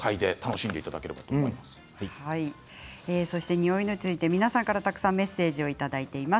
匂いについて皆さんからたくさんメッセージをいただいています。